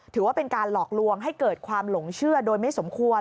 ถือว่าเป็นการหลอกลวงให้เกิดความหลงเชื่อโดยไม่สมควร